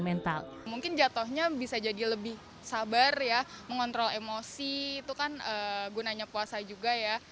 mungkin jatuhnya bisa jadi lebih sabar ya mengontrol emosi itu kan gunanya puasa juga ya